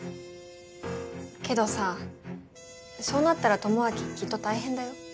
けどさそうなったら智明きっと大変だよ？